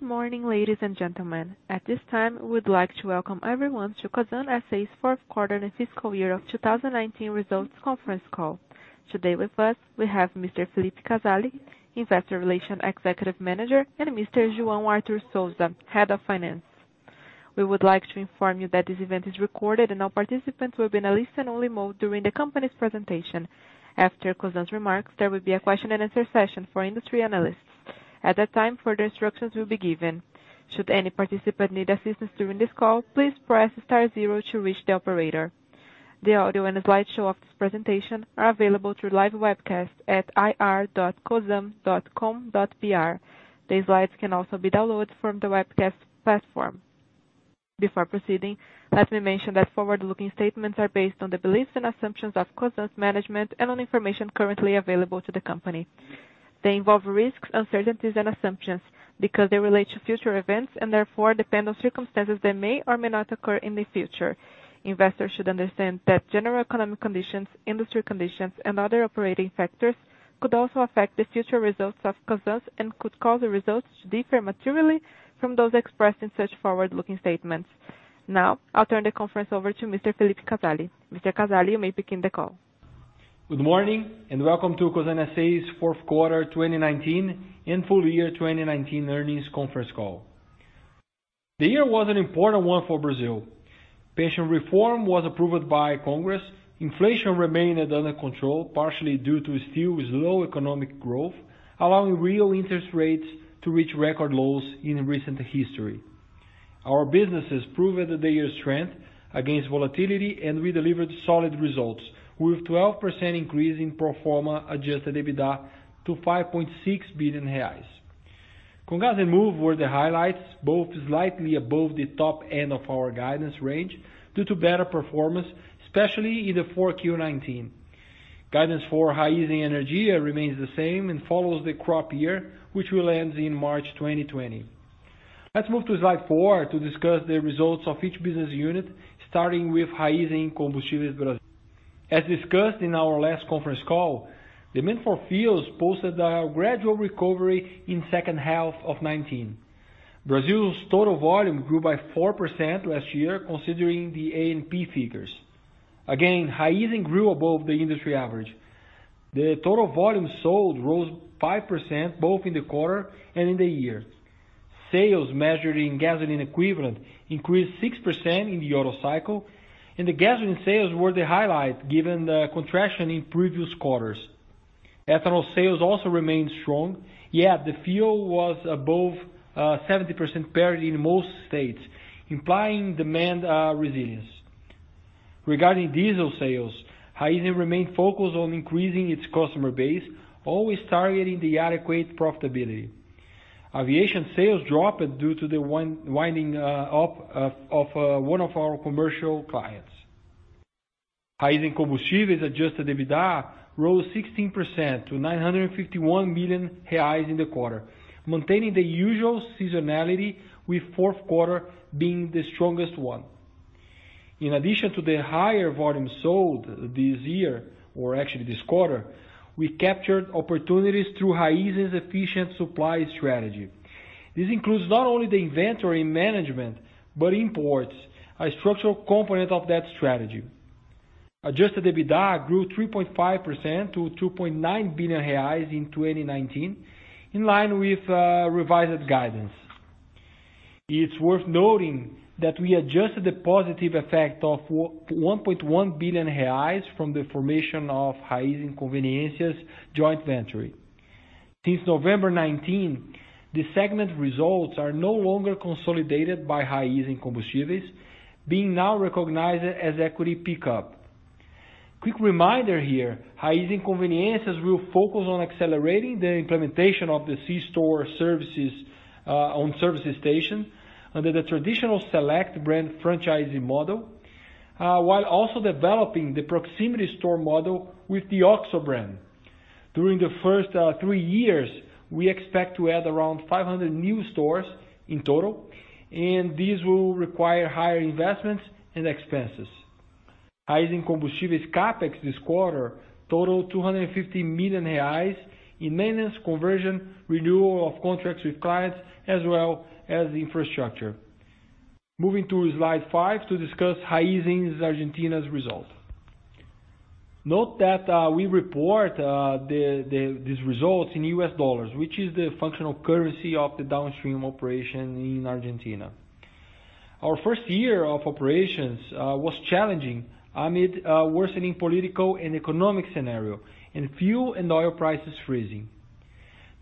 Good morning, ladies and gentlemen. At this time, we'd like to welcome everyone to Cosan S.A.'s Fourth Quarter and Fiscal Year of 2019 Results conference call. Today with us, we have Mr. Felipe Casali, Investor Relations Executive Manager, and Mr. João Arthur Souza, Head of Finance. We would like to inform you that this event is recorded and all participants will be in a listen-only mode during the company's presentation. After Cosan's remarks, there will be a question and answer session for industry analysts. At that time, further instructions will be given. Should any participant need assistance during this call, please press star zero to reach the operator. The audio and a slideshow of this presentation are available through live webcast at ir.cosan.com.br. These slides can also be downloaded from the webcast platform. Before proceeding, let me mention that forward-looking statements are based on the beliefs and assumptions of Cosan's management and on information currently available to the company. They involve risks, uncertainties, and assumptions because they relate to future events and therefore depend on circumstances that may or may not occur in the future. Investors should understand that general economic conditions, industry conditions, and other operating factors could also affect the future results of Cosan and could cause the results to differ materially from those expressed in such forward-looking statements. Now, I'll turn the conference over to Mr. Felipe Casali. Mr. Casali, you may begin the call. Good morning and welcome to Cosan S.A.'s Fourth Quarter 2019 and Full-Year 2019 earnings conference call. The year was an important one for Brazil. Pension reform was approved by Congress. Inflation remained under control, partially due to still low economic growth, allowing real interest rates to reach record lows in recent history. Our businesses proved their strength against volatility. We delivered solid results, with 12% increase in pro forma adjusted EBITDA to 5.6 billion reais. Comgás and Moove were the highlights, both slightly above the top end of our guidance range due to better performance, especially in the 4Q2019. Guidance for Raízen Energia remains the same and follows the crop year, which will end in March 2020. Let's move to slide four to discuss the results of each business unit, starting with Raízen Combustíveis Brasil. As discussed in our last conference call, demand for fuels posted a gradual recovery in second half of 2019. Brazil's total volume grew by 4% last year, considering the ANP figures. Again, Raízen grew above the industry average. The total volume sold rose 5% both in the quarter and in the year. Sales measured in gasoline equivalent increased 6% in the auto cycle, and the gasoline sales were the highlight given the contraction in previous quarters. Ethanol sales also remained strong, yet the fuel was above 70% parity in most states, implying demand resilience. Regarding diesel sales, Raízen remained focused on increasing its customer base, always targeting the adequate profitability. Aviation sales dropped due to the winding up of one of our commercial clients. Raízen Combustíveis' adjusted EBITDA rose 16% to 951 million reais in the quarter, maintaining the usual seasonality, with fourth quarter being the strongest one. In addition to the higher volume sold this year, or actually this quarter, we captured opportunities through Raízen's efficient supply strategy. This includes not only the inventory management, but imports, a structural component of that strategy. Adjusted EBITDA grew 3.5% to 2.9 billion reais in 2019, in line with revised guidance. It's worth noting that we adjusted the positive effect of 1.1 billion reais from the formation of Raízen Conveniências joint venture. Since November 2019, the segment results are no longer consolidated by Raízen Combustíveis, being now recognized as equity pickup. A quick reminder here, Raízen Conveniências will focus on accelerating the implementation of the C store services on service stations under the traditional Select brand franchising model, while also developing the proximity store model with the OXXO brand. During the first three years, we expect to add around 500 new stores in total, and these will require higher investments and expenses. Raízen Combustíveis' CapEx this quarter totaled 250 million reais in maintenance, conversion, renewal of contracts with clients, as well as infrastructure. Moving to slide five to discuss Raízen Argentina's results. Note that we report these results in U.S. dollars, which is the functional currency of the downstream operation in Argentina. Our first year of operations was challenging amid a worsening political and economic scenario, and fuel and oil prices freezing.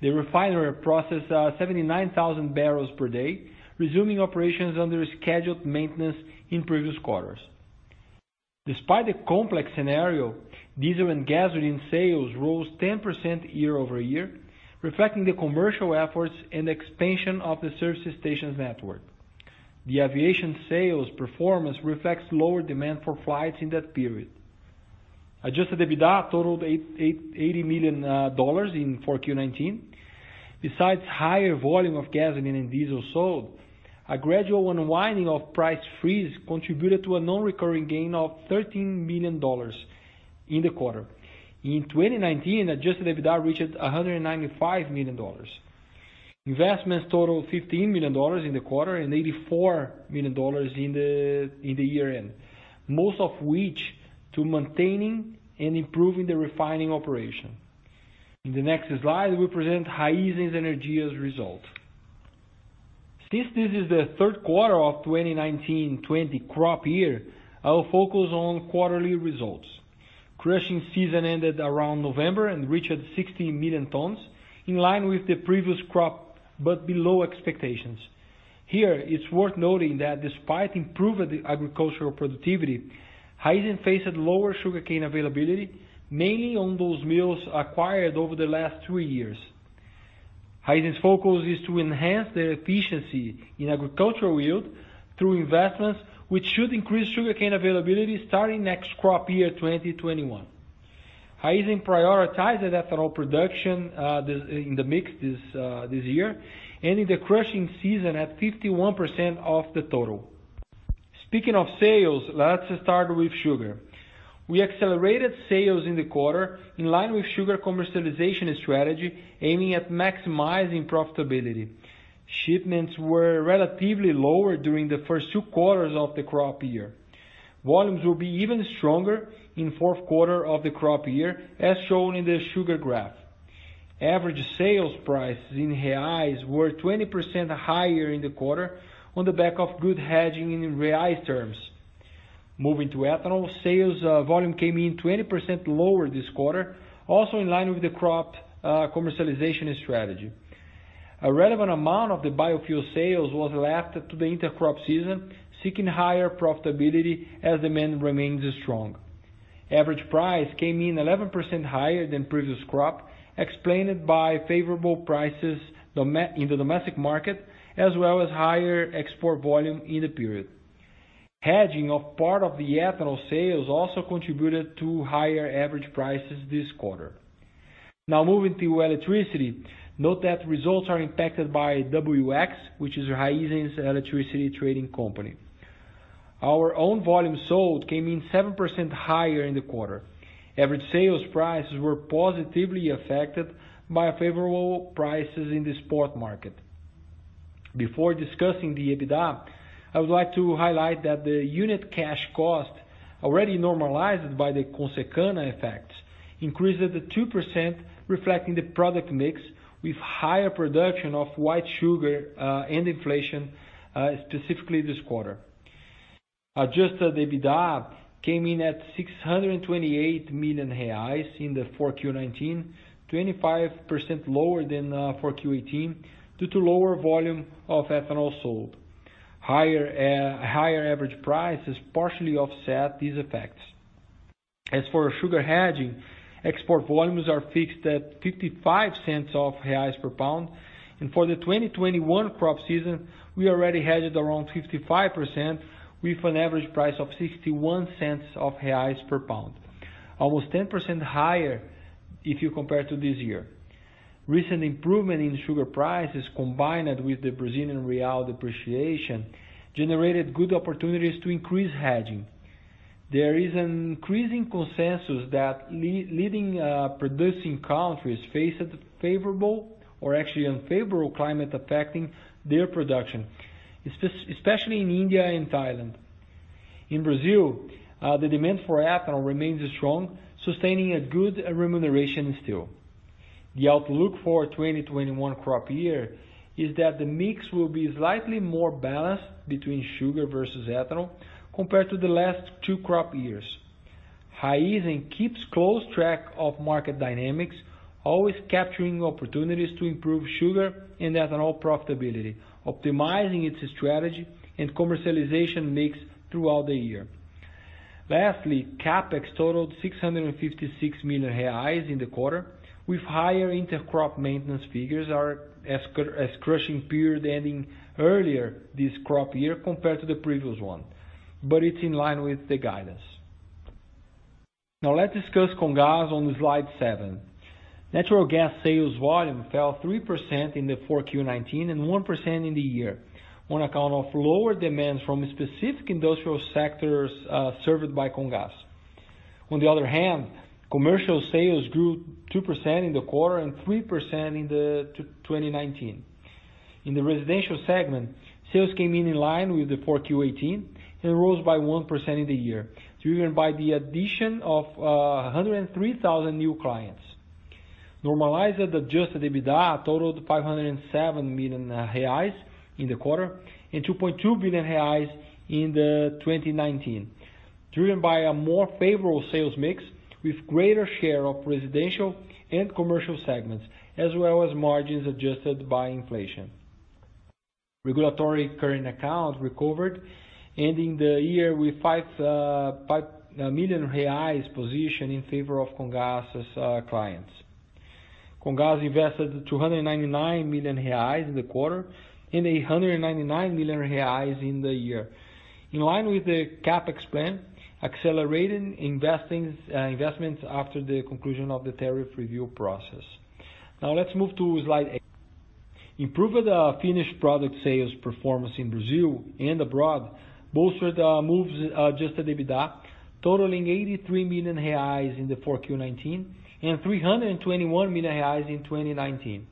The refinery processed, 79,000 bbl/d, resuming operations under scheduled maintenance in previous quarters. Despite the complex scenario, diesel and gasoline sales rose 10% year-over-year, reflecting the commercial efforts and expansion of the service station's network. The aviation sales performance reflects lower demand for flights in that period. Adjusted EBITDA totaled $80 million in 4Q19. Besides higher volume of gasoline and diesel sold, a gradual unwinding of price freeze contributed to a non-recurring gain of $13 million in the quarter. In 2019, adjusted EBITDA reached $195 million. Investments totaled $15 million in the quarter and $84 million in the year end, most of which to maintaining and improving the refining operation. In the next slide, we present Raízen Energia's results. Since this is the third quarter of 2019-2020 crop year, I will focus on quarterly results. Crushing season ended around November and reached 16 million tons, in line with the previous crop, but below expectations. Here, it's worth noting that despite improved agricultural productivity, Raízen faced lower sugarcane availability, mainly on those mills acquired over the last three years. Raízen's focus is to enhance the efficiency in agricultural yield through investments, which should increase sugarcane availability starting next crop year, 2021. Raízen prioritized ethanol production in the mix this year, ending the crushing season at 51% of the total. Speaking of sales, let's start with sugar. We accelerated sales in the quarter in line with sugar commercialization strategy, aiming at maximizing profitability. Shipments were relatively lower during the first two quarters of the crop year. Volumes will be even stronger in the fourth quarter of the crop year, as shown in the sugar graph. Average sales prices in Real were 20% higher in the quarter on the back of good hedging in Real terms. Moving to ethanol, sales volume came in 20% lower this quarter, also in line with the crop commercialization strategy. A relevant amount of the biofuel sales was left to the inter-crop season, seeking higher profitability as demand remains strong. Average price came in 11% higher than previous crop, explained by favorable prices in the domestic market, as well as higher export volume in the period. Hedging of part of the ethanol sales also contributed to higher average prices this quarter. Now, moving to electricity, note that results are impacted by W-X, which is Raízen's electricity trading company. Our own volume sold came in 7% higher in the quarter. Average sales prices were positively affected by favorable prices in the spot market. Before discussing the EBITDA, I would like to highlight that the unit cash cost, already normalized by the Consecana effects, increased to 2%, reflecting the product mix with higher production of white sugar and inflation specifically this quarter. Adjusted EBITDA came in at 628 million reais in the 4Q2019, 25% lower than 4Q2018 due to lower volume of ethanol sold. Higher average prices partially offset these effects. As for sugar hedging, export volumes are fixed at 0.55 per pound, and for the 2021 crop season, we already hedged around 55% with an average price of 0.61 per pound, almost 10% higher if you compare to this year. Recent improvement in sugar prices combined with the Brazilian BRL depreciation generated good opportunities to increase hedging. There is an increasing consensus that leading producing countries faced favorable or actually unfavorable climate affecting their production, especially in India and Thailand. In Brazil, the demand for ethanol remains strong, sustaining a good remuneration still. The outlook for 2021 crop year is that the mix will be slightly more balanced between sugar versus ethanol compared to the last two crop years. Raízen keeps close track of market dynamics, always capturing opportunities to improve sugar and ethanol profitability, optimizing its strategy and commercialization mix throughout the year. Lastly, CapEx totaled 656 million reais in the quarter with higher inter-crop maintenance figures as crushing period ending earlier this crop year compared to the previous one. It's in line with the guidance. Now let's discuss Comgás on slide seven. Natural gas sales volume fell 3% in the 4Q2019 and 1% in the year, on account of lower demands from specific industrial sectors served by Comgás. On the other hand, commercial sales grew 2% in the quarter and 3% in the 2019. In the residential segment, sales came in line with the 4Q2018 and rose by 1% in the year, driven by the addition of 103,000 new clients. Normalized adjusted EBITDA totaled 507 million reais in the quarter and 2.2 billion reais in 2019, driven by a more favorable sales mix with greater share of residential and commercial segments, as well as margins adjusted by inflation. Regulatory current account recovered, ending the year with 5 million reais position in favor of Comgás' clients. Comgás invested 299 million reais in the quarter and 899 million reais in the year, in line with the CapEx plan, accelerating investments after the conclusion of the tariff review process. Now let's move to slide eight, improve of the finished product sales performance in Brazil and abroad bolstered Moove adjusted EBITDA totaling 83 million reais in the 4Q2019 and 321 million reais in 2019.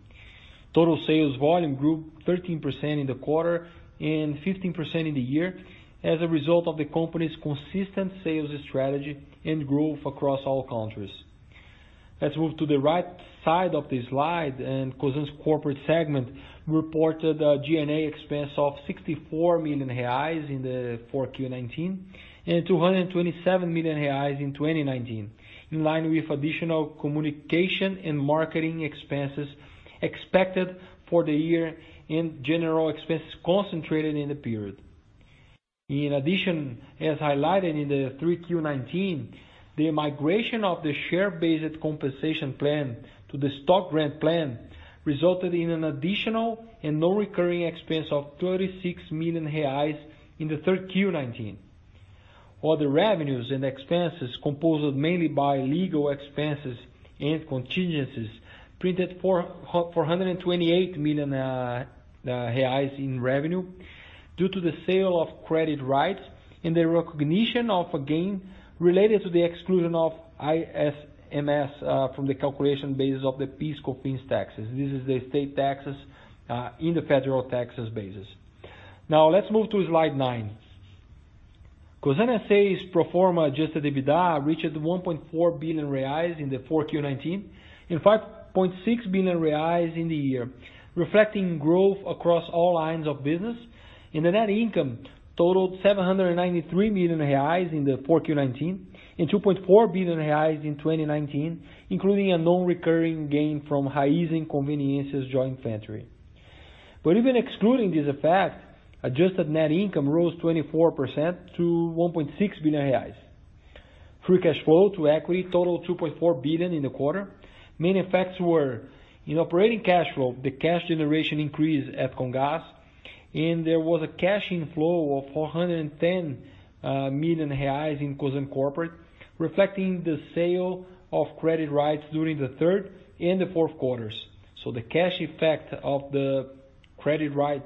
Total sales volume grew 13% in the quarter and 15% in the year as a result of the company's consistent sales strategy and growth across all countries. Let's move to the right side of the slide, and Cosan's corporate segment reported a G&A expense of 64 million reais in the 4Q2019 and 227 million reais in 2019, in line with additional communication and marketing expenses expected for the year and general expenses concentrated in the period. In addition, as highlighted in the 3Q2019, the migration of the share-based compensation plan to the stock grant plan resulted in an additional and non-recurring expense of 36 million reais in the 3Q2019. Other revenues and expenses composed mainly by legal expenses and contingencies printed 428 million reais in revenue due to the sale of credit rights and the recognition of a gain related to the exclusion of ICMS from the calculation basis of the PIS/Cofins taxes. This is the state taxes in the federal taxes basis. Let's move to slide nine, Cosan S.A.'s pro forma adjusted EBITDA reached 1.4 billion reais in the 4Q2019 and 5.6 billion reais in the year, reflecting growth across all lines of business. The net income totaled 793 million reais in the 4Q19 and 2.4 billion reais in 2019, including a non-recurring gain from Raízen Conveniências joint venture. Even excluding this effect, adjusted net income rose 24% to 1.6 billion reais. Free cash flow to equity totaled 2.4 billion in the quarter. Main effects were in operating cash flow, the cash generation increased at Comgás, and there was a cash inflow of 410 million reais in Cosan Corporate, reflecting the sale of credit rights during the third and the fourth quarters. The cash effect of the credit right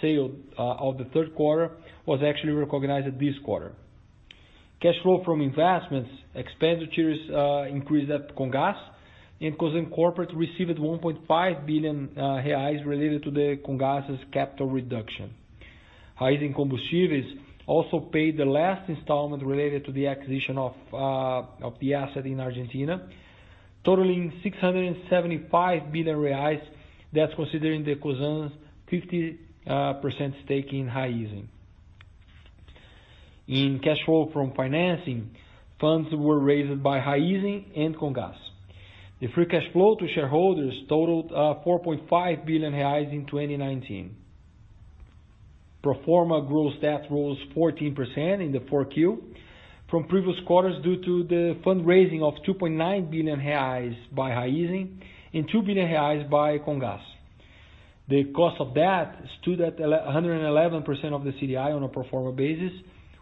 sale of the third quarter was actually recognized this quarter. Cash flow from investments, expenditures increased at Comgás, and Cosan Corporate received 1.5 billion reais related to the Comgás' capital reduction. Raízen Combustíveis also paid the last installment related to the acquisition of the asset in Argentina, totaling 675 billion reais. That's considering the Cosan's 50% stake in Raízen. In cash flow from financing, funds were raised by Raízen and Comgás. The free cash flow to shareholders totaled 4.5 billion reais in 2019. Pro forma gross debt rose 14% in the 4Q from previous quarters due to the fundraising of 2.9 billion reais by Raízen and 2 billion reais by Comgás. The cost of debt stood at 111% of the CDI on a pro forma basis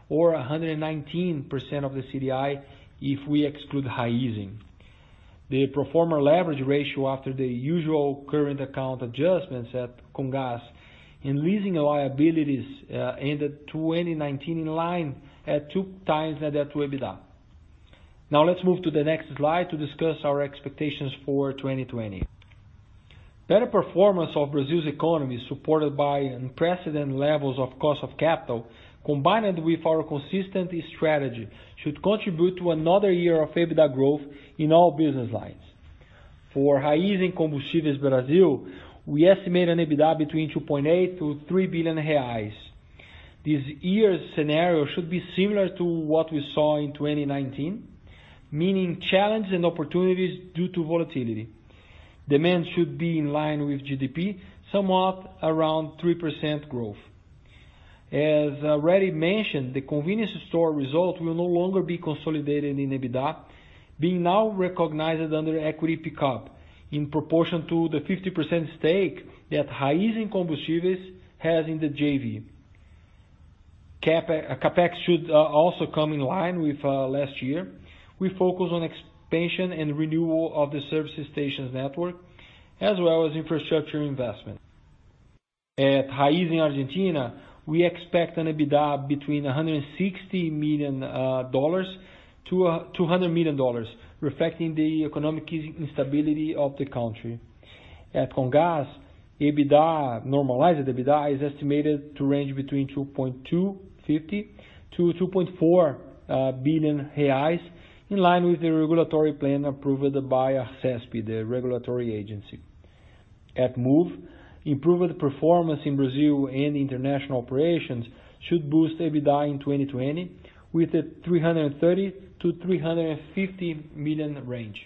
or 119% of the CDI if we exclude Raízen. The pro forma leverage ratio after the usual current account adjustments at Comgás and leasing liabilities ended 2019 in line at 2x net debt to EBITDA. Now let's move to the next slide to discuss our expectations for 2020. Better performance of Brazil's economy, supported by unprecedented levels of cost of capital, combined with our consistent strategy, should contribute to another year of EBITDA growth in all business lines. For Raízen Combustíveis Brasil, we estimate an EBITDA between 2.8 billion to 3 billion reais. This year's scenario should be similar to what we saw in 2019, meaning challenges and opportunities due to volatility. Demand should be in line with GDP, somewhat around 3% growth. As already mentioned, the convenience store result will no longer be consolidated in EBITDA, being now recognized under equity pickup in proportion to the 50% stake that Raízen Combustíveis has in the JV. CapEx should also come in line with last year. We focus on expansion and renewal of the services stations network, as well as infrastructure investment. At Raízen, Argentina, we expect an EBITDA between $160 million to $200 million, reflecting the economic instability of the country. At Comgás, EBITDA, normalized EBITDA, is estimated to range between 2.25 billion to 2.4 billion reais, in line with the regulatory plan approved by ARSESP, the regulatory agency. At Moove, improved performance in Brazil and international operations should boost EBITDA in 2020 with a 330 million-350 million range.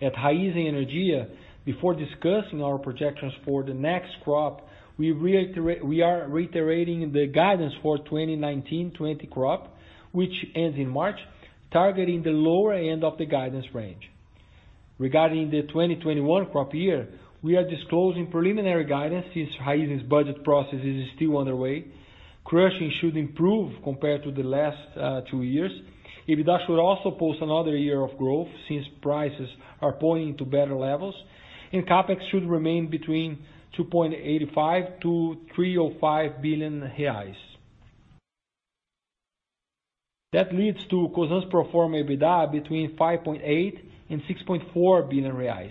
At Raízen Energia, before discussing our projections for the next crop, we are reiterating the guidance for 2019/2020 crop, which ends in March, targeting the lower end of the guidance range. Regarding the 2021 crop year, we are disclosing preliminary guidance since Raízen's budget process is still underway. Crushing should improve compared to the last two years. EBITDA should also post another year of growth since prices are pointing to better levels, and CapEx should remain between 2.85 billion reais to BRL 3.05 billion. That leads to Cosan's pro forma EBITDA between 5.8 billion and 6.4 billion reais.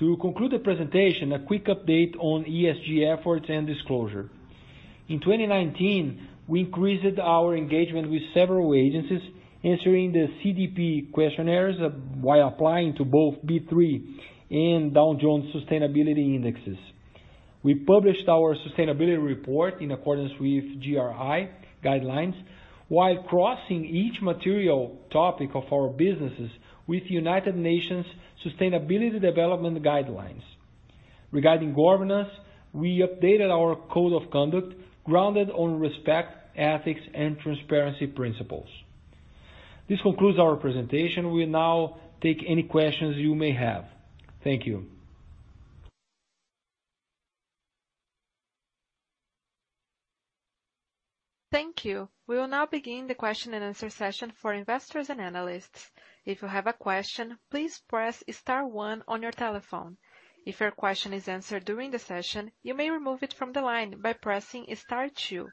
To conclude the presentation, a quick update on ESG efforts and disclosure. In 2019, we increased our engagement with several agencies answering the CDP questionnaires while applying to both B3 and Dow Jones sustainability indexes. We published our sustainability report in accordance with GRI guidelines while crossing each material topic of our businesses with United Nations Sustainability Development Guidelines. Regarding governance, we updated our code of conduct, grounded on respect, ethics, and transparency principles. This concludes our presentation. We'll now take any questions you may have. Thank you. Thank you. We will now begin the question and answer session for investors and analysts. If you have a question, please press star one on your telephone. If your question is answered during the session, you may remove it from the line by pressing star two.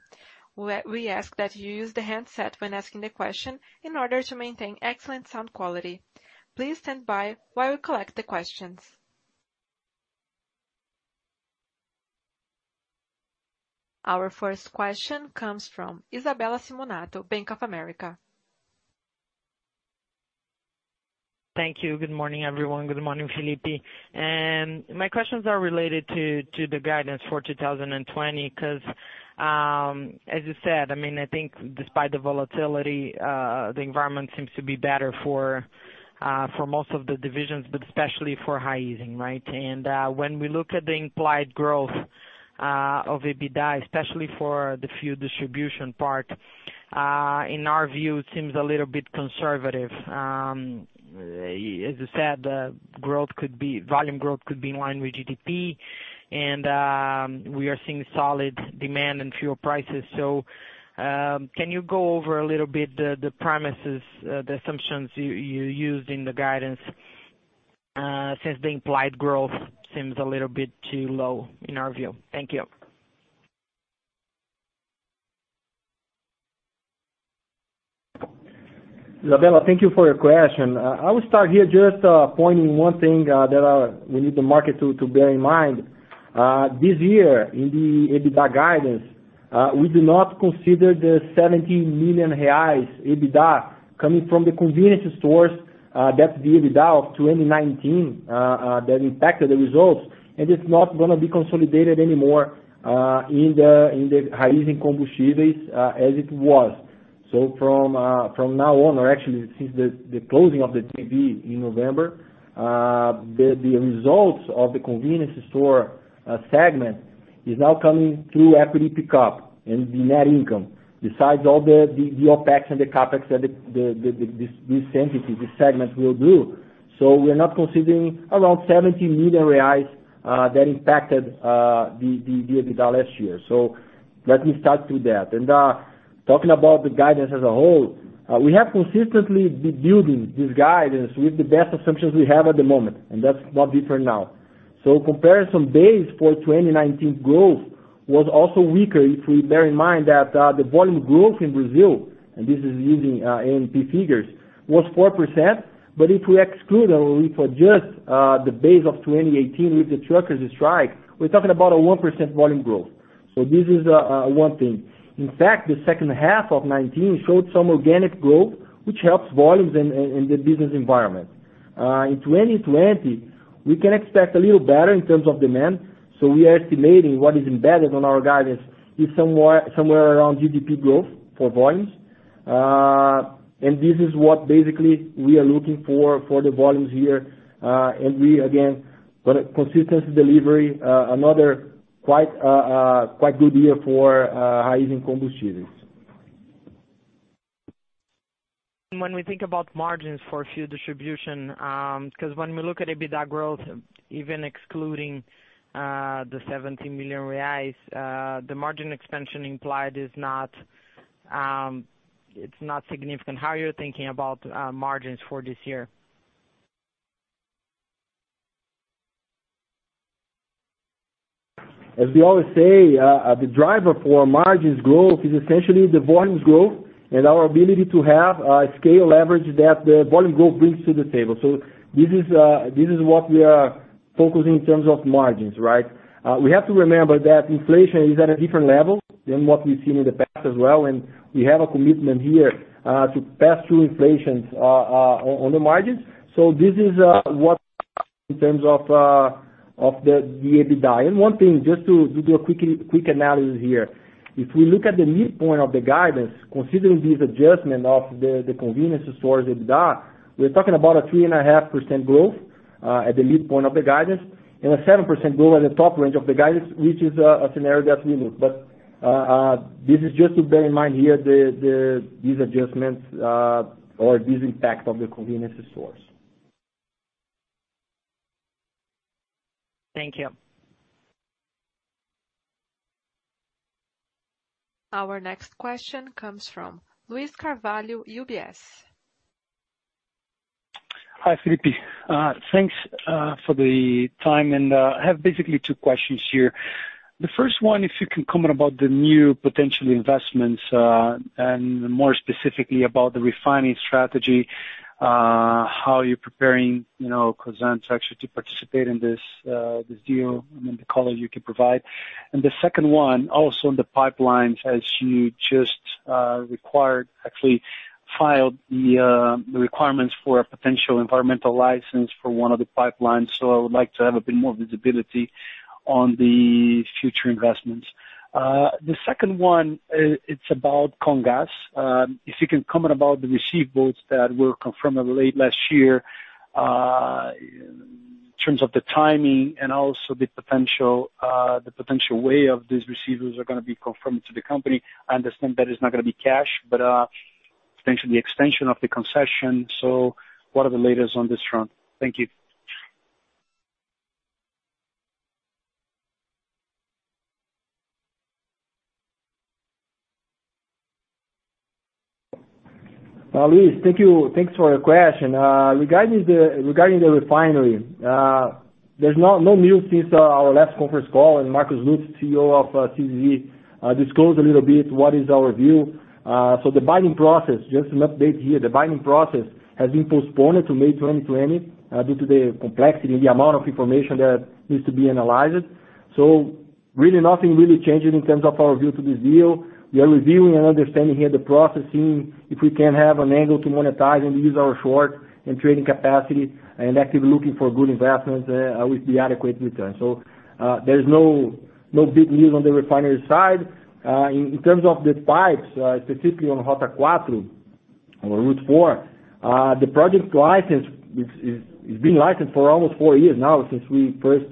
We ask that you use the handset when asking the question in order to maintain excellent sound quality. Please stand by while we collect the questions. Our first question comes from Isabella Simonato, Bank of America. Thank you. Good morning, everyone. Good morning, Felipe, and my questions are related to the guidance for 2020, because, as you said, I think despite the volatility, the environment seems to be better for most of the divisions, but especially for Raízen, right? When we look at the implied growth of EBITDA, especially for the fuel distribution part, in our view, it seems a little bit conservative. As you said, volume growth could be in line with GDP and we are seeing solid demand in fuel prices. Can you go over a little bit the premises, the assumptions you used in the guidance, since the implied growth seems a little bit too low in our view. Thank you. Isabella, thank you for your question. I will start here just pointing one thing that we need the market to bear in mind. This year in the EBITDA guidance, we do not consider the 70 million reais EBITDA coming from the convenience stores that the EBITDA of 2019 that impacted the results. It's not going to be consolidated anymore in the Raízen Combustíveis as it was. From now on or actually since the closing of the JV in November, the results of the convenience store segment is now coming through equity pickup and the net income. Besides all the OPEX and the CapEx that this entity, this segment will do. We are not considering around 70 million reais that impacted the EBITDA last year. Let me start with that. Talking about the guidance as a whole, we have consistently been building this guidance with the best assumptions we have at the moment, and that's not different now. Comparison base for 2019 growth was also weaker if we bear in mind that the volume growth in Brazil, and this is using ANP figures, was 4%. If we exclude or we adjust the base of 2018 with the truckers strike, we're talking about a 1% volume growth, so this is one thing. In fact, the second half of 2019 showed some organic growth, which helps volumes in the business environment. In 2020, we can expect a little better in terms of demand. We are estimating what is embedded on our guidance is somewhere around GDP growth for volumes. This is what basically we are looking for the volumes here. We again, consistency delivery, another quite good year for Raízen Combustíveis. When we think about margins for fuel distribution, because when we look at EBITDA growth, even excluding the 17 million reais, the margin expansion implied is not significant. How are you thinking about margins for this year? As we always say, the driver for margins growth is essentially the volumes growth and our ability to have a scale leverage that the volume growth brings to the table. This is what we are focusing in terms of margins, right? We have to remember that inflation is at a different level than what we've seen in the past as well, and we have a commitment here to pass through inflations on the margins. This is what in terms of the EBITDA. One thing, just to do a quick analysis here. If we look at the midpoint of the guidance, considering this adjustment of the convenience stores EBITDA, we're talking about a 3.5% growth at the midpoint of the guidance and a 7% growth at the top range of the guidance, which is a scenario that we look. This is just to bear in mind here these adjustments or this impact of the convenience stores. Thank you. Our next question comes from Luiz Carvalho, UBS. Hi, Felipe. Thanks for the time. I have basically two questions here. The first one, if you can comment about the new potential investments, and more specifically about the refining strategy, how you're preparing, you know, Cosan to actually participate in this deal, and then the color you can provide. The second one, also on the pipelines as you just required, actually filed the requirements for a potential environmental license for one of the pipelines. I would like to have a bit more visibility on the future investments. The second one, it's about Comgás. If you can comment about the receivables that were confirmed late last year, you know, in terms of the timing, and also the potential way of these receivables are going to be confirmed to the company. I understand that is not going to be cash, but potentially extension of the concession. What are the latest on this front? Thank you. Luiz, thank you. Thanks for your question. Regarding the refinery, there's no news since our last conference call, and Marcos Lutz, CEO of Cosan, disclosed a little bit what is our view. The binding process, just an update here, the binding process has been postponed to May 2020 due to the complexity and the amount of information that needs to be analyzed, so really nothing really changing in terms of our view to this deal. We are reviewing and understanding here the processing, if we can have an angle to monetize and use our short and trading capacity, and actively looking for good investments with the adequate return. There's no big news on the refinery side. In terms of the pipes, specifically on Rota 4 or Route 4, the project license, it's been licensed for almost four years now since we first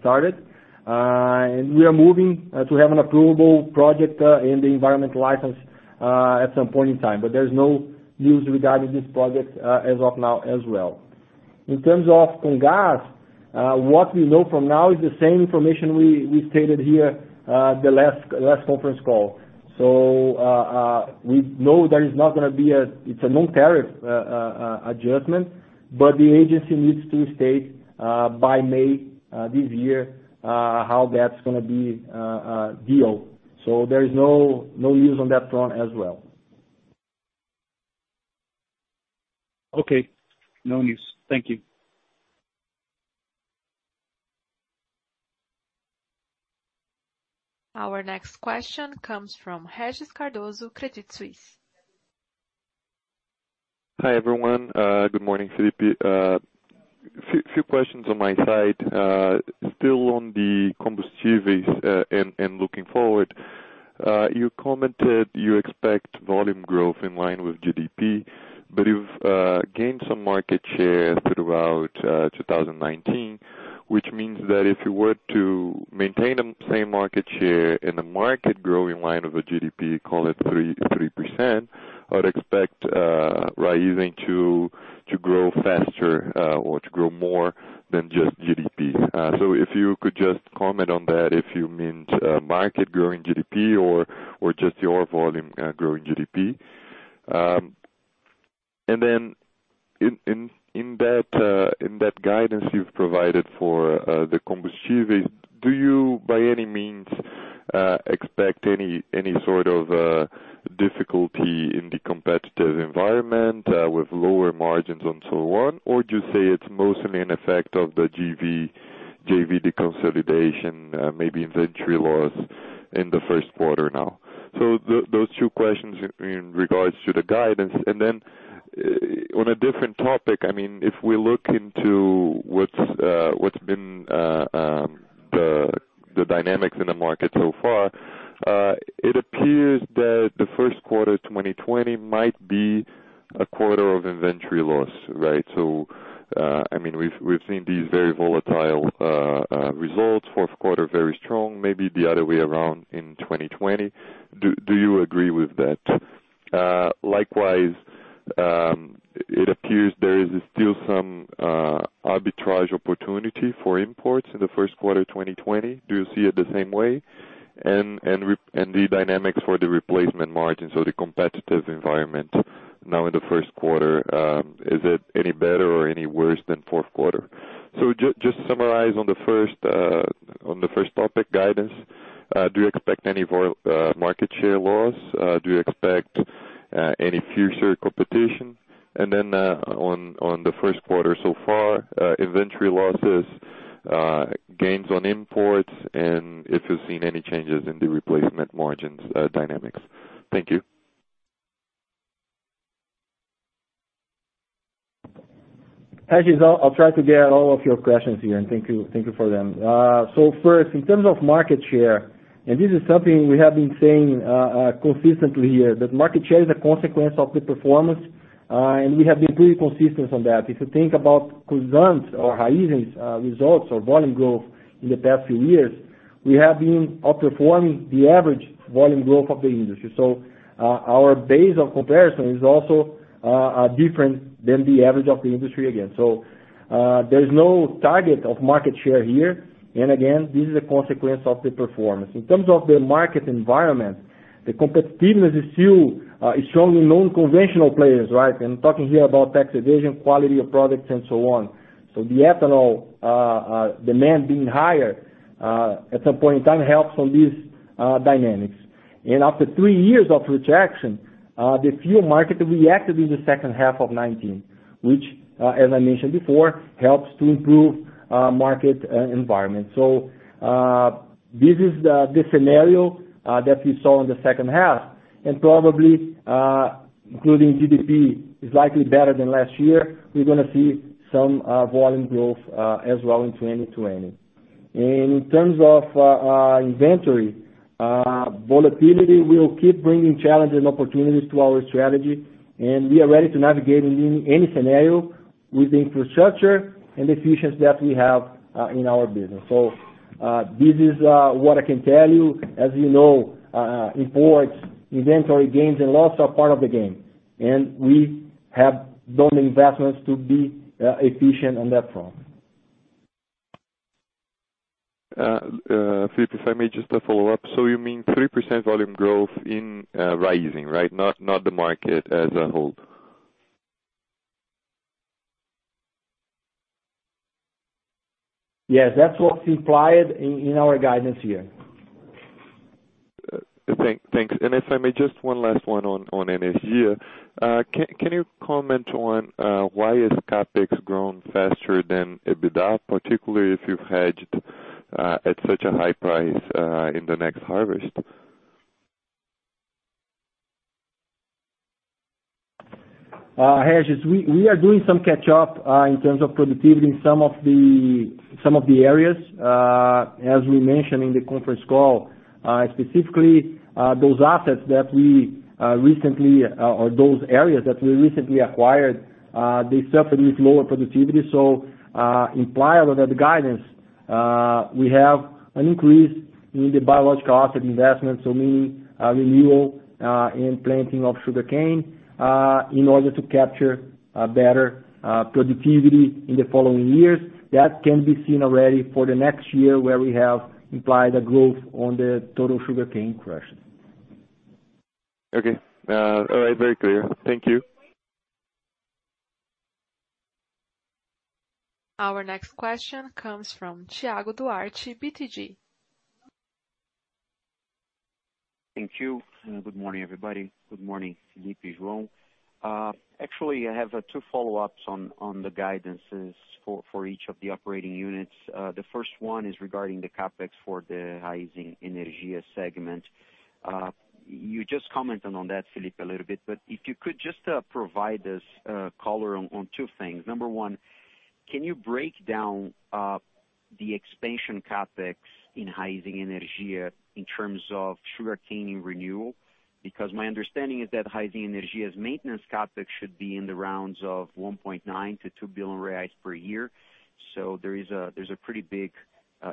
started. We are moving to have an approvable project in the environment license at some point in time. There's no news regarding this project as of now as well. In terms of Comgás, what we know from now is the same information we stated here the last conference call. We know it's a non-tariff adjustment, but the agency needs to state by May, this year, how that's going to be a deal. There is no news on that front as well. Okay. No news. Thank you. Our next question comes from Régis Cardoso, Credit Suisse. Hi, everyone, good morning, Felipe, a few questions on my side, still on the Combustíveis, and looking forward. You commented you expect volume growth in line with GDP, but you've gained some market share throughout 2019, which means that if you were to maintain the same market share and the market grow in line with the GDP, call it 3%, I would expect Raízen to grow faster or to grow more than just GDP. If you could just comment on that, if you meant market growing GDP or just your volume growing GDP. In that guidance you've provided for the Combustíveis, do you by any means expect any sort of difficulty in the competitive environment with lower margins and so on, or do you say it's mostly an effect of the JV deconsolidation, maybe inventory loss in the first quarter now? Those two questions in regards to the guidance. On a different topic, if we look into what's been the dynamics in the market so far, it appears that the first quarter 2020 might be a quarter of inventory loss, right? We've seen these very volatile results, fourth quarter very strong, maybe the other way around in 2020. Do you agree with that? Likewise, it appears there is still some arbitrage opportunity for imports in the first quarter 2020. Do you see it the same way? The dynamics for the replacement margins or the competitive environment now in the first quarter, is it any better or any worse than fourth quarter? Just to summarize on the first topic, guidance, do you expect any market share loss? Do you expect any future competition? On the first quarter so far, inventory losses, gains on imports, and if you've seen any changes in the replacement margins dynamics. Thank you. Régis, I'll try to get all of your questions here, and thank you for them. First, in terms of market share, and this is something we have been saying consistently here, that market share is a consequence of the performance, and we have been pretty consistent on that. If you think about Cosan's or Raízen's results or volume growth in the past few years, we have been outperforming the average volume growth of the industry. Our base of comparison is also different than the average of the industry again. There's no target of market share here. Again, this is a consequence of the performance. In terms of the market environment. The competitiveness is still showing in non-conventional players, right? I'm talking here about tax evasion, quality of products, and so on. The ethanol demand being higher at some point in time helps on these dynamics. After three years of rejection, the fuel market reacted in the second half of 2019, which, as I mentioned before, helps to improve market environment. This is the scenario that we saw in the second half, and probably, including GDP, is likely better than last year. We're going to see some volume growth as well in 2020. In terms of inventory, volatility will keep bringing challenges and opportunities to our strategy, and we are ready to navigate in any scenario with the infrastructure and efficiency that we have in our business. This is what I can tell you. As you know, imports, inventory gains, and losses are part of the game, and we have done the investments to be efficient on that front. Felipe, if I may, just a follow-up. You mean 3% volume growth in Raízen, right? Not the market as a whole. Yes, that's what's implied in our guidance here. Thanks, and if I may, just one last one on Energia. Can you comment on why has CapEx grown faster than EBITDA, particularly if you've hedged at such a high price in the next harvest? Regis, we are doing some catch up in terms of productivity in some of the areas, as we mentioned in the conference call. Specifically, those areas that we recently acquired, they suffered with lower productivity. Implied within the guidance, we have an increase in the biological asset investment, so meaning renewal and planting of sugarcane, in order to capture better productivity in the following years. That can be seen already for the next year, where we have implied a growth on the total sugarcane crush. Okay. All right, very clear. Thank you. Our next question comes from Thiago Duarte, BTG. Thank you, and good morning, everybody. Good morning, Felipe, João. Actually, I have two follow-ups on the guidances for each of the operating units. The first one is regarding the CapEx for the Raízen Energia segment. You just commented on that, Felipe, a little bit, but if you could just provide us color on two things. Number one, can you break down the expansion CapEx in Raízen Energia in terms of sugarcane renewal? My understanding is that Raízen Energia's maintenance CapEx should be in the rounds of 1.9 billion to 2 billion reais per year. There's a pretty big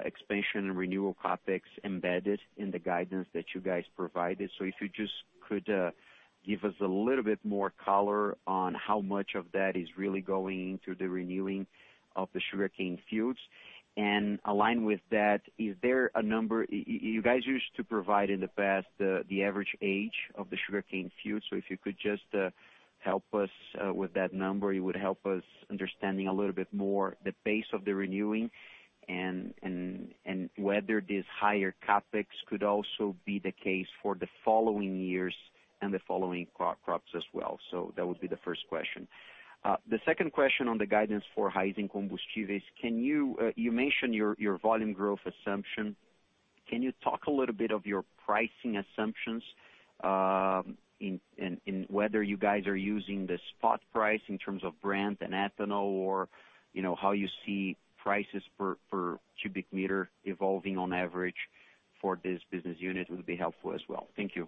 expansion and renewal CapEx embedded in the guidance that you guys provided. If you just could give us a little bit more color on how much of that is really going into the renewing of the sugarcane fields. Aligned with that, you guys used to provide in the past the average age of the sugarcane fields, so if you could just help us with that number, it would help us understanding a little bit more the pace of the renewing and whether this higher CapEx could also be the case for the following years, and the following crops as well, so that would be the first question. The second question on the guidance for Raízen Combustíveis. You mentioned your volume growth assumption. Can you talk a little bit of your pricing assumptions, and whether you guys are using the spot price in terms of Brent and ethanol or how you see prices per cubic meter evolving on average for this business unit would be helpful as well. Thank you.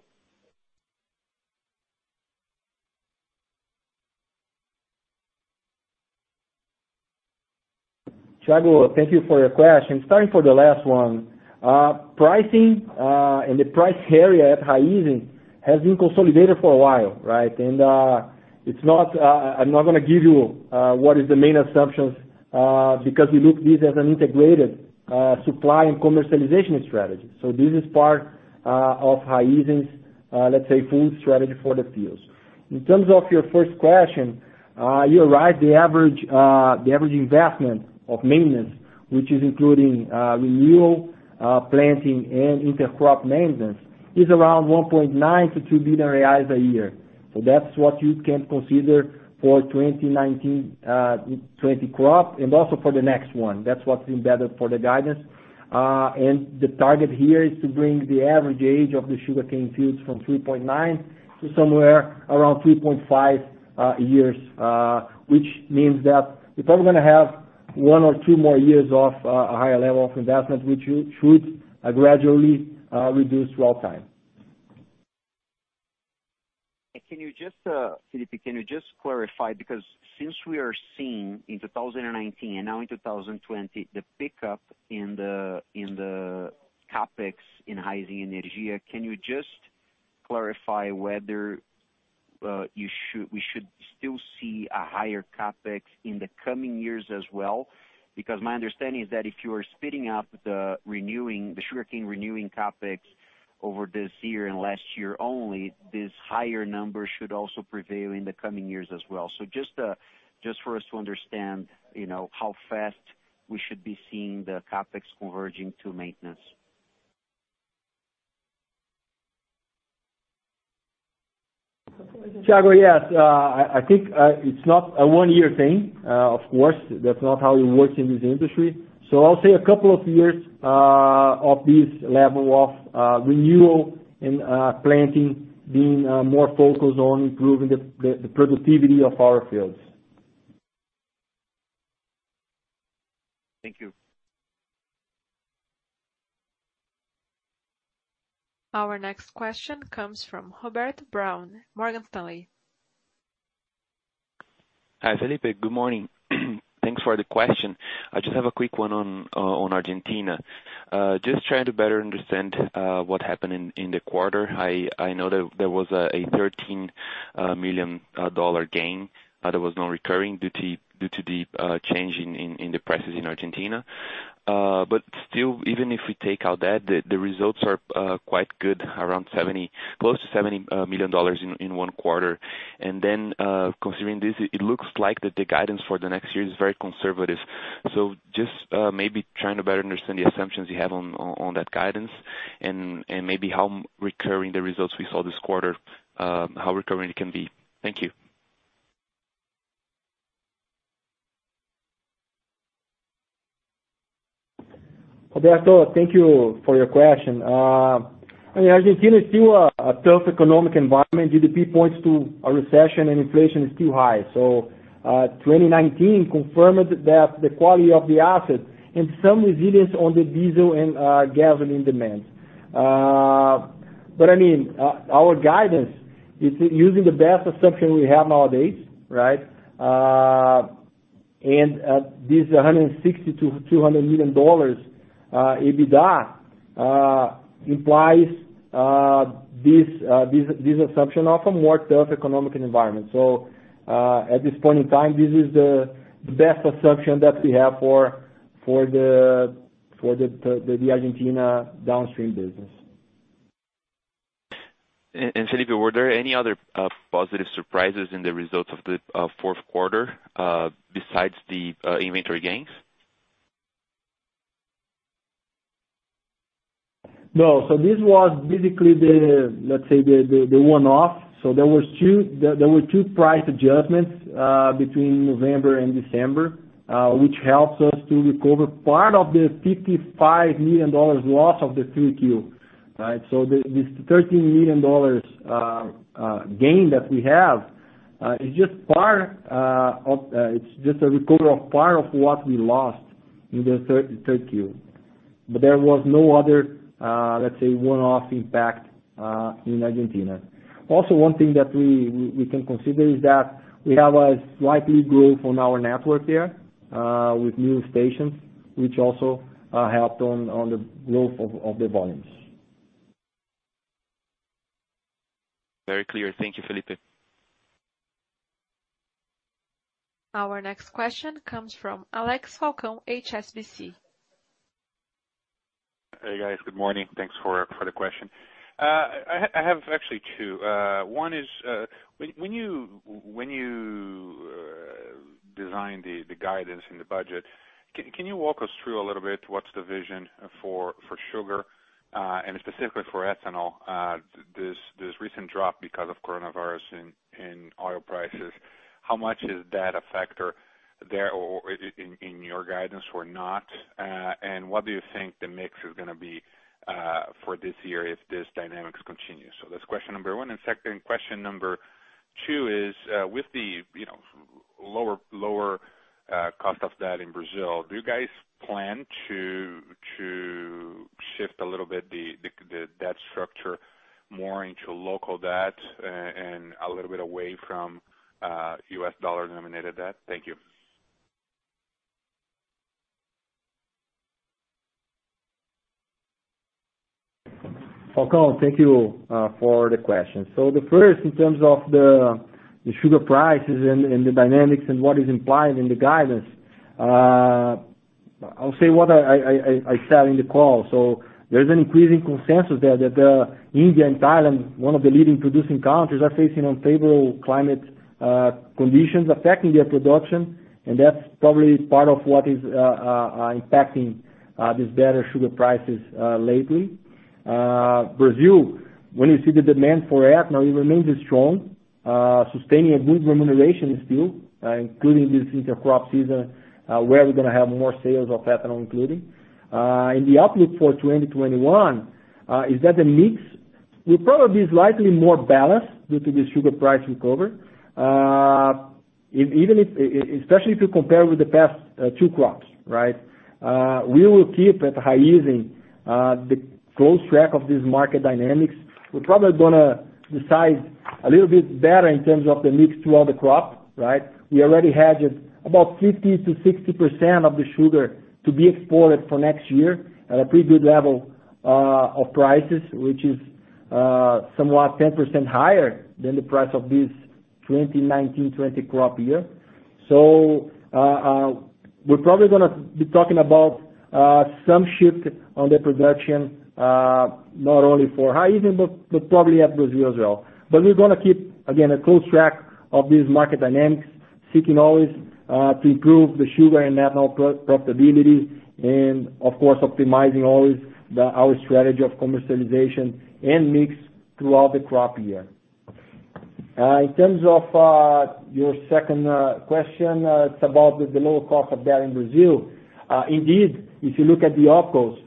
Thiago, thank you for your question. Starting for the last one, pricing, and the price area at Raízen has been consolidated for a while, right? I'm not going to give you what is the main assumptions, because we look this as an integrated supply and commercialization strategy. This is part of Raízen's, let's say, full strategy for the fields. In terms of your first question, you're right, the average investment of maintenance, which is including renewal, planting, and intercrop maintenance, is around 1.9 billion to 2 billion reais a year. That's what you can consider for 2019/2020 crop, and also for the next one, that's what's embedded for the guidance. The target here is to bring the average age of the sugarcane fields from 3.9 to somewhere around 3.5 years, which means that we're probably going to have one or two more years of a higher level of investment, which should gradually reduce throughout time. Felipe, can you just clarify, because since we are seeing in 2019 and now in 2020, the pickup in the CapEx in Raízen Energia, can you just clarify whether we should still see a higher CapEx in the coming years as well? My understanding is that if you are speeding up the sugarcane renewing CapEx over this year and last year only, this higher number should also prevail in the coming years as well, so just for us to understand, you know, how fast we should be seeing the CapEx converging to maintenance. Thiago, yes. I think it's not a one-year thing, of course. That's not how it works in this industry. I'll say a couple of years of this level of renewal and planting being more focused on improving the productivity of our fields. Thank you. Our next question comes from Roberto Browne, Morgan Stanley. Hi, Felipe. Good morning. Thanks for the question. I just have a quick one on Argentina. I'm just trying to better understand what happened in the quarter. I know that there was a $13 million gain, there was no recurring due to the change in the prices in Argentina, but still even if we take out that, the results are quite good, close to $70 million in one quarter. Considering this, it looks like that the guidance for the next year is very conservative. Maybe trying to better understand the assumptions you have on that guidance and maybe how recurring the results we saw this quarter, how recurring it can be. Thank you. Roberto, thank you for your question. In Argentina, it's still a tough economic environment. GDP points to a recession and inflation is too high, so 2019 confirmed that the quality of the asset and some resilience on the diesel and gasoline demands. Our guidance is using the best assumption we have nowadays, right? This $160 million to $200 million EBITDA implies this assumption of a more tough economic environment. At this point in time, this is the best assumption that we have for the Argentina downstream business. Felipe, were there any other positive surprises in the results of the fourth quarter besides the inventory gains? No, this was basically, let's say, the one-off. There were two price adjustments between November and December, which helps us to recover part of the $55 million loss of the 3Q. This $13 million gain that we have, it's just a recovery of part of what we lost in the 3Q. There was no other, let's say, one-off impact in Argentina. Also, one thing that we can consider is that we have a slightly growth on our network there, with new stations, which also helped on the growth of the volumes. Very clear. Thank you, Felipe. Our next question comes from Alexandre Falcao, HSBC. Hey, guys. Good morning. Thanks for the question. I have actually two. One is, when you design the guidance and the budget, can you walk us through a little bit what's the vision for sugar, and specifically for ethanol? This recent drop because of coronavirus in oil prices, how much is that a factor there or in your guidance or not? What do you think the mix is going to be for this year if these dynamics continue? That's question number one. Second, question number two is, with the, you know, lower cost of debt in Brazil, do you guys plan to shift a little bit the debt structure more into local debt and a little bit away from U.S. dollar-denominated debt? Thank you. Falcao, thank you for the question. The first, in terms of the sugar prices and the dynamics and what is implied in the guidance, I'll say what I said in the call. There's an increasing consensus there that India and Thailand, one of the leading producing countries, are facing unfavorable climate conditions affecting their production, and that's probably part of what is impacting these better sugar prices lately. Brazil, when you see the demand for ethanol, it remains strong, sustaining a good remuneration still, including this inter-crop season, where we're going to have more sales of ethanol including. In the outlook for 2021, is that the mix? It will probably be slightly more balanced due to the sugar price recovery, especially if you compare with the past two crops, right? We will keep at Raízen the close track of these market dynamics. We're probably going to decide a little bit better in terms of the mix throughout the crop, right? We already hedged about 50% to 60% of the sugar to be exported for next year at a pretty good level of prices, which is somewhat 10% higher than the price of this 2019/2020 crop year. We're probably going to be talking about some shift on the production, not only for Raízen, but probably at Brazil as well. We're going to keep, again, a close track of these market dynamics, seeking always to improve the sugar and ethanol profitability, and, of course, optimizing always our strategy of commercialization and mix throughout the crop year. In terms of your second question, it's about the low cost of debt in Brazil. Indeed, if you look at the opcos,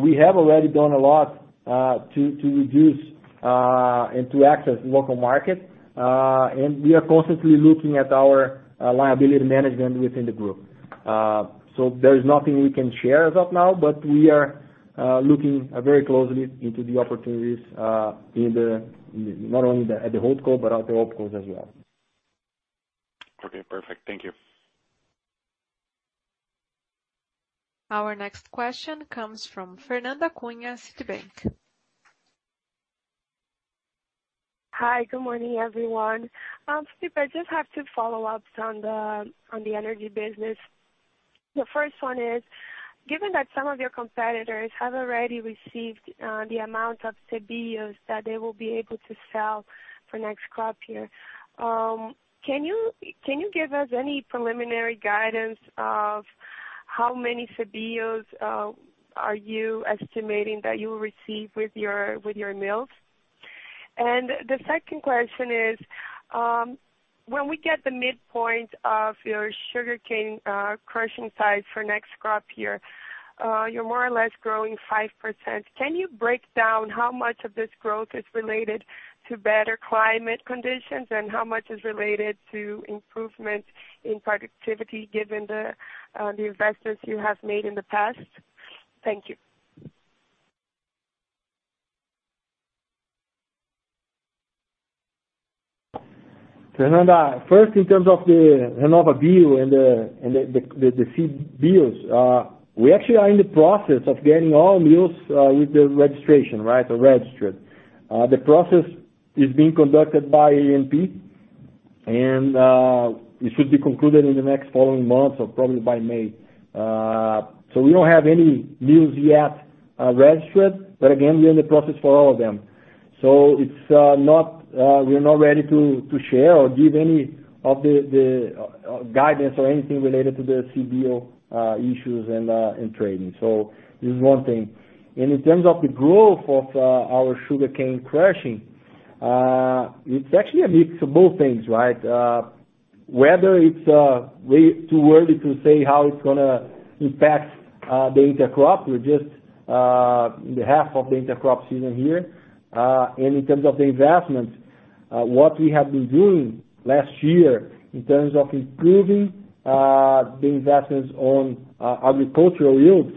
we have already done a lot to reduce and to access local market. We are constantly looking at our liability management within the group. There is nothing we can share as of now, but we are looking very closely into the opportunities, not only at the holdco but at the opcos as well. Okay, perfect. Thank you. Our next question comes from Fernanda Cunha, Citibank. Hi, good morning, everyone. Felipe, I just have two follow-ups on the energy business. The first one is, given that some of your competitors have already received the amount of CBIOs that they will be able to sell for next crop year, can you give us any preliminary guidance of how many CBIOs are you estimating that you will receive with your mills? The second question is, when we get the midpoint of your sugarcane crushing size for next crop year, you are more or less growing 5%. Can you break down how much of this growth is related to better climate conditions and how much is related to improvements in productivity given the investments you have made in the past? Thank you. Fernanda, first, in terms of the RenovaBio and the CBIOs, we actually are in the process of getting all mills with the registration, or registered. It should be concluded in the next following months or probably by May. We don't have any mills yet registered. Again, we are in the process for all of them. We are not ready to share or give any of the guidance or anything related to the CBIO issues and trading. This is one thing. In terms of the growth of our sugarcane crushing, it's actually a mix of both things. Weather, it's way too early to say how it's going to impact the intercrop. We're just in the half of the intercrop season here. In terms of the investments, what we have been doing last year in terms of improving the investments on agricultural yields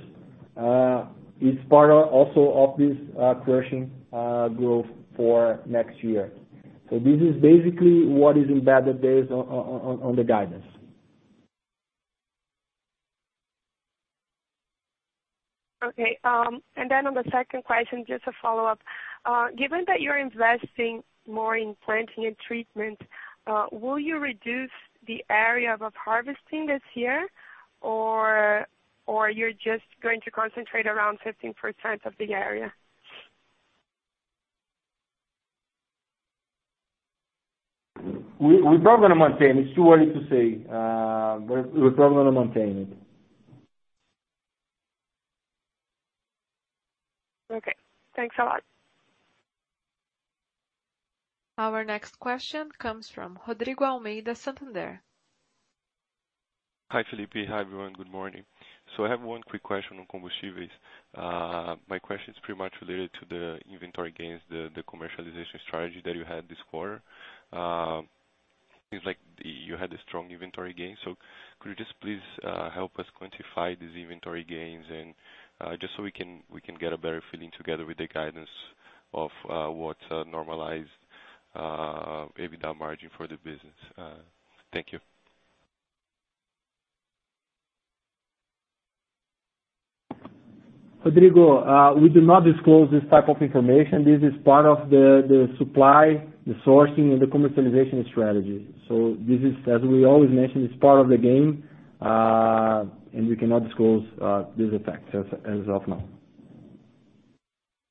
is part also of this crushing growth for next year. This is basically what is embedded there on the guidance. Okay. On the second question, just a follow-up. Given that you're investing more in planting and treatment, will you reduce the area of harvesting this year? You're just going to concentrate around 15% of the area? We're probably going to maintain it. It's too early to say, but we're probably going to maintain it. Okay, thanks a lot. Our next question comes from Rodrigo Almeida, Santander. Hi, Felipe. Hi, everyone. Good morning. I have one quick question on Combustíveis. My question is pretty much related to the inventory gains, the commercialization strategy that you had this quarter. It seems like you had a strong inventory gain. Could you just please help us quantify these inventory gains, and just so we can get a better feeling together with the guidance of what's a normalized EBITDA margin for the business. Thank you. Rodrigo, we do not disclose this type of information. This is part of the supply, the sourcing, and the commercialization strategy. This is, as we always mention, it's part of the game, and we cannot disclose these effects as of now.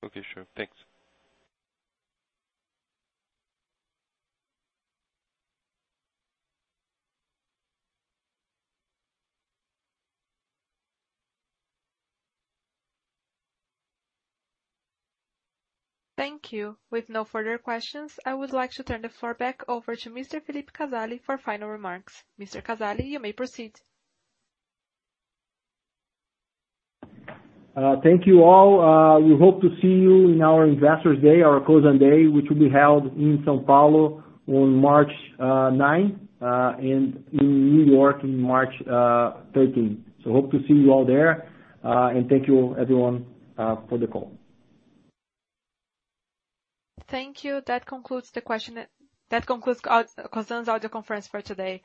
Okay, sure. Thanks. Thank you. With no further questions, I would like to turn the floor back over to Mr. Felipe Casali for final remarks. Mr. Casali, you may proceed. Thank you all. We hope to see you in our Investors Day, our Cosan Day, which will be held in São Paulo on March 9th, and in New York on March 13th. Hope to see you all there and thank you everyone for the call. Thank you. That concludes Cosan's audio conference for today.